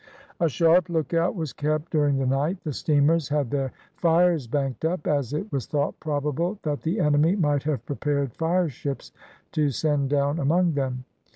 A sharp lookout was kept during the night. The steamers had their fires banked up, as it was thought probable that the enemy might have prepared fireships to send down among them.